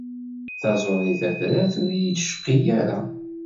Taẓuri tatrart ur iyi-d-cqi ara.